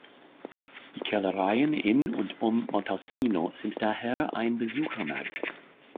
Die Kellereien in und um Montalcino sind daher ein Besuchermagnet.